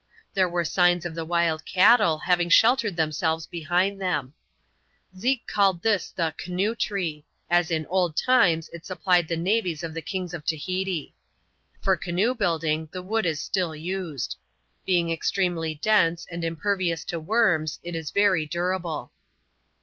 There were signs of the wild cattle having sheltered themselves behind them. Zeke called this the canoe tree ; as in old times it supplied the navies of the kmgs of Tahiti. For canoe building, the wood is still used. Being extremely dense, and impervious to worms, it is very durable.